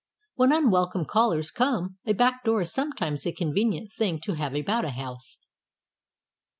When unwelcome callers come, a back door is sometimes a convenient thing to have about a house.